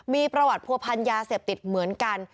มีประวัติผัวพันธ์ยาเสพติดเหมือนกัน